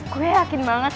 gue yakin banget